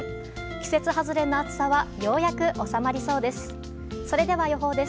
季節外れの暑さはようやく収まりそうです。